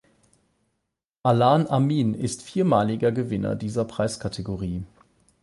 Allan Amin ist viermaliger Gewinner dieser Preiskategorie.